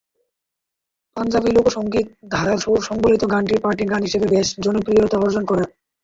পাঞ্জাবি লোকসঙ্গীত ধারার সুর সংবলিত গানটি পার্টি গান হিসেবে বেশ জনপ্রিয়তা অর্জন করে।